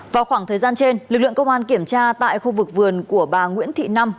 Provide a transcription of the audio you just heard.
vào khoảng thời gian trên lực lượng công an kiểm tra tại khu vực vườn của bà nguyễn thị năm